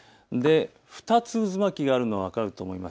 ２つ渦巻きがあるのが分かると思います。